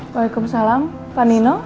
waalaikumsalam pak nino